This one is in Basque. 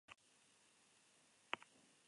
Gaur urtarrilaren hamaika da.